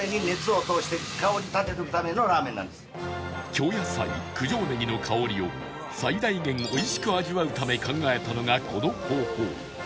京野菜九条ネギの香りを最大限美味しく味わうため考えたのがこの方法